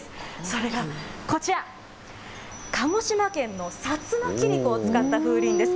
それがこちら、鹿児島県の薩摩切子を使った風鈴です。